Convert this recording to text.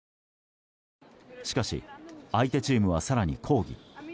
しかし、相手チームは更に抗議。